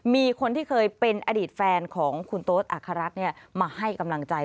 มีคนที่เคยเป็นอดีตแฟนของคุณโต๊ดอัครรัฐมาให้กำลังใจ